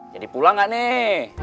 jadi pulang gak nih